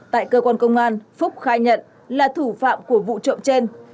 tại cơ quan công an phúc khai nhận là thủ phạm của vụ trộm trên